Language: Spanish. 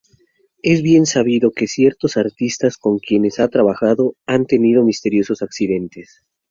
Es bien sabido que ciertos artistas con quienes ha trabajado han tenido misteriosos accidentes.